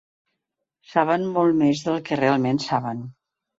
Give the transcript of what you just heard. Saben molt més del que realment saben.